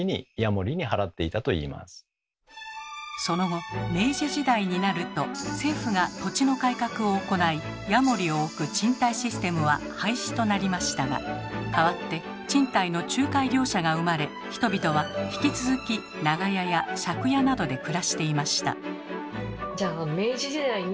その後明治時代になると政府が土地の改革を行い家守を置く賃貸システムは廃止となりましたが代わって賃貸の仲介業者が生まれ人々は引き続き長屋や借家などで暮らしていました。